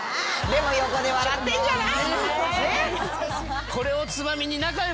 でも横で笑ってんじゃない？